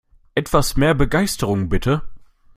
Etwas mehr Begeisterung, bitte!